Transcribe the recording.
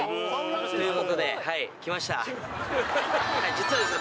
実はですね